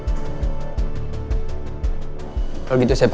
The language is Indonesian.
untuk menemui saudari elsa